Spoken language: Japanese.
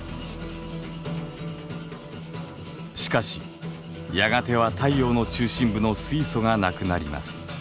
しかしやがては太陽の中心部の水素がなくなります。